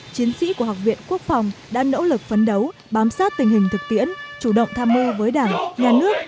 chiến sĩ của học viện quốc phòng đã nỗ lực phấn đấu bám sát tình hình thực tiễn chủ động tham mưu với đảng nhà nước